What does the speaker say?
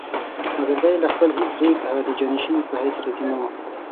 مګر دی له خپل هېڅ زوی څخه د جانشین په حیث راضي نه وو.